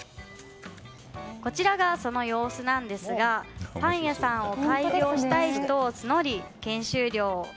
こちらがその様子なんですがパン屋さんを開業したい人を募り研修料